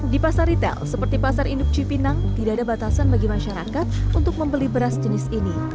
di pasar retail seperti pasar induk cipinang tidak ada batasan bagi masyarakat untuk membeli beras jenis ini